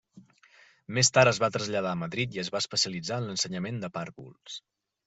Més tard es va traslladar a Madrid i es va especialitzar en l'ensenyament de pàrvuls.